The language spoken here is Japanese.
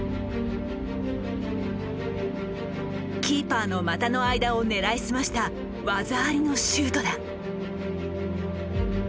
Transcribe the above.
キーパーの股の間を狙いすました技ありのシュートだ。